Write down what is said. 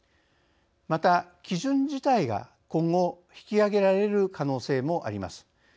また基準自体が今後引き上げられる可能性もあります。